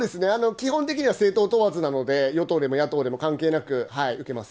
基本的には政党問わずなので、与党でも野党でも関係なく受けます。